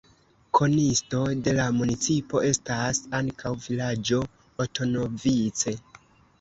Konisto de la municipo estas ankaŭ vilaĝo Otonovice.